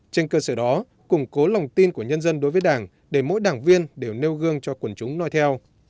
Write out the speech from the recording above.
trên cơ sở đó củng cố lòng tin của nhân dân đối với đảng để mỗi đảng viên đều nêu gương cho quần chúng nói theo